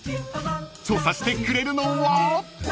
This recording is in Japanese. ［調査してくれるのは］